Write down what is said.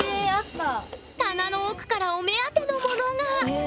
棚の奥からお目当てのものがへえ